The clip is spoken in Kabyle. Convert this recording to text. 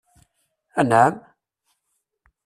AnƐam?